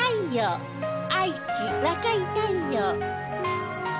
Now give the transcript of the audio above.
愛知若い太陽。